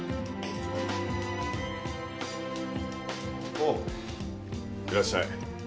おういらっしゃい。